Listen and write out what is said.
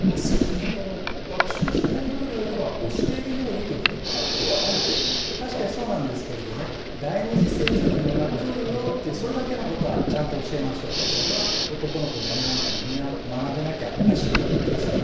ちゃんと学習指導要領には教えるようにというふうに書いては確かにそうなんですけれどもね、第二次成長というものが来るよって、それだけのことはちゃんと教えましょうと、それは男の子も女の子も皆学んでいかなきゃおかしいわけですよね。